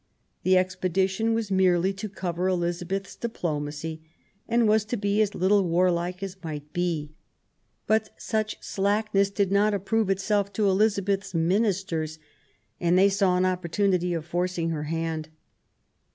The expedition was merely to cover Elizabeth's diplomacy, and was to be as little warlike as might be. But such slackness did not approve itself to Elizabeth's ministers, and they saw an opportunity of forcing her hand.